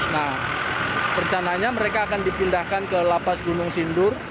nah percananya mereka akan dipindahkan ke lapas gunung sindur